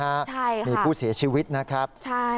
ใช่ค่ะใช่ค่ะมีผู้เสียชีวิตนะครับ